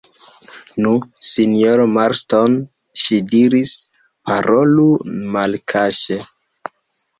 Nu, sinjoro Marston, ŝi diris, parolu malkaŝe.